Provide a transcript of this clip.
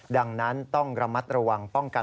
ดังนั้นต้องระมัดระวังป้องกัน